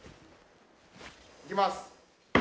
いきます。